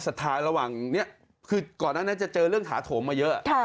ท้ายระหว่างนี้คือก่อนนั้นจะเจอเรื่องถาโถมมาเยอะ